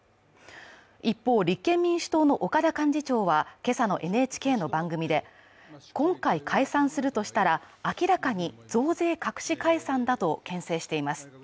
一方、立憲民主党の岡田幹事長は今朝のＳＮＳの番組で、今回、解散するとしたら明らかに増税隠し解散だとけん制しています。